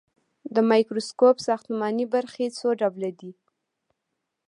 د مایکروسکوپ ساختماني برخې څو ډوله دي.